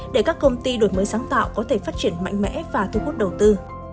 để các công ty đổi mới sáng tạo có thể phát triển mạnh mẽ và thu hút đầu tư